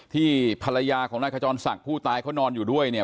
ที่ภรรยาของนายขจรศักดิ์ผู้ตายเขานอนอยู่ด้วยเนี่ย